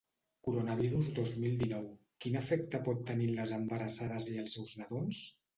Coronavirus dos mil dinou: quin efecte pot tenir en les embarassades i els seus nadons?